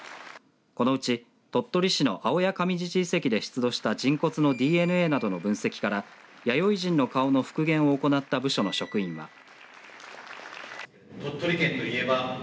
このうち、鳥取市の青谷上寺地遺跡で出土した人骨のＤＮＡなどの分析から弥生人の顔の復元などを行った部署の職員は。